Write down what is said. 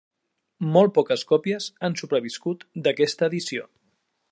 Molt poques còpies han sobreviscut d'aquesta edició.